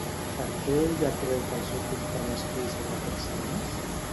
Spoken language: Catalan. Per què ella creu que el seu company escriu sobre aquests temes?